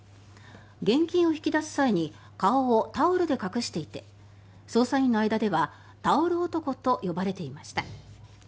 現金を引き出す際に顔をタオルで隠していて捜査員の間ではタオル男と呼ばれていました。